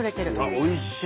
おいしい！